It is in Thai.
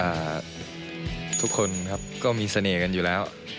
ถ้าให้เจาะจงคนไหนคนหนึ่งก็คงไม่ไหวครับผม